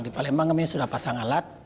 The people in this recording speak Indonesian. di palembang kami sudah pasang alat